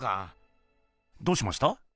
どうしました？